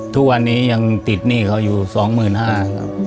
ทุกวันนี้ยังติดหนี้เขาอยู่๒๕๐๐ครับ